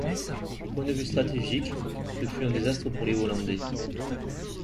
Du point de vue stratégique, ce fut un désastre pour les Hollandais.